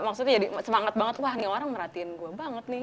maksudnya jadi semangat banget wah nih orang merhatiin gue banget nih